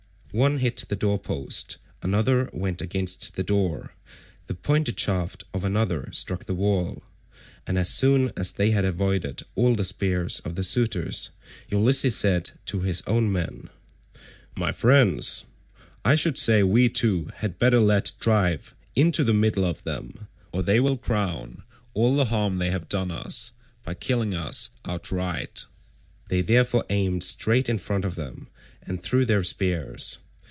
One hit the door post; another went against the door; the pointed shaft of another struck the wall; and as soon as they had avoided all the spears of the suitors Ulysses said to his own men, "My friends, I should say we too had better let drive into the middle of them, or they will crown all the harm they have done us by killing us outright." They therefore aimed straight in front of them and threw their spears.